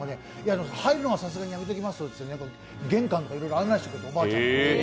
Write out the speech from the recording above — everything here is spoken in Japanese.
入るのはさすがにやめておきますって、玄関とかいろいろ案内してくれて、おばあちゃんが。